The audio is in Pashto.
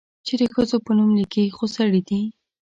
چې د ښځو په نوم ليکي، خو سړي دي؟